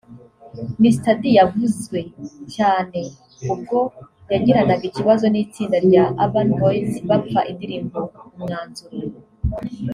Mr D yavuzwe cyane ubwo yagiranaga ikibazo n’itsinda rya Urban Boys bapfa indirimbo ’Umwanzuro’